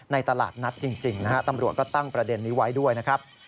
ตลาดนัดจริงนะฮะตำรวจก็ตั้งประเด็นนี้ไว้ด้วยนะครับ